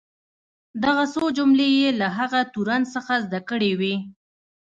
دغه څو جملې یې له هغه تورن څخه زده کړې وې.